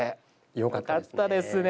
よかったですね。